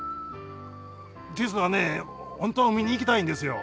実は本当は海に行きたいんですよ。